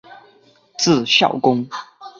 字孝公。